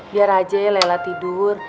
biar aja lela tidur